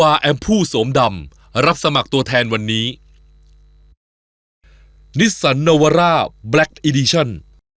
จะโทรมาด้วยค่ะเพียง